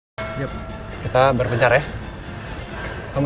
mbak kita harus pergi dulu